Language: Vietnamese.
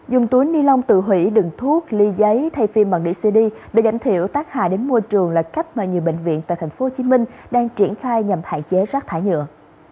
dùng túi ni lông tự hủy đựng thuốc ly giấy thay phim bằng đỉ cd để giảm thiểu tác hại đến môi trường là cách mà nhiều bệnh viện tại tp hcm đang triển khai nhằm hạn chế rác thải nhựa